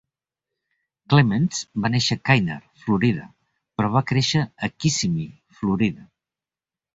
Clements va néixer a Kinard, Florida, però va créixer a Kissimmee, Florida.